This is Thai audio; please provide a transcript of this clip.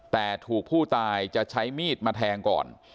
แต่ถูกผู้ตายจะใช้มีดมาแทงก่อน